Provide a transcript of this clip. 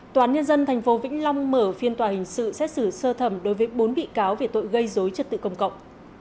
tòa án nhân dân tp vĩnh long mở phiên tòa hình sự xét xử sơ thẩm đối với bốn bị cáo về tội gây dối trật tự công cộng